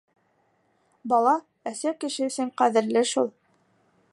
Бала әсә кеше өсөн ҡәҙерле шул.